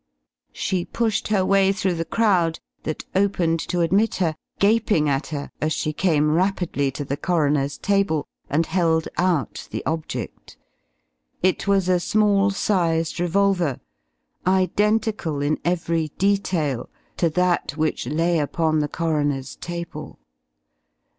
She pushed her way through the crowd that opened to admit her, gaping at her as she came rapidly to the coroner's table and held out the object. It was a small sized revolver, identical in every detail to that which lay upon the coroner's table.